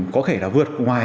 có thể là vượt ngoài